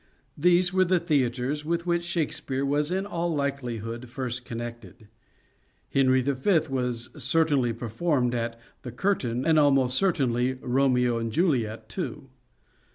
These were the theatres with which Shakespeare was in all likelihood first con nected. " Henry V." was certainly performed at "The Curtain," and almost certainly "Romeo and Juliet," too.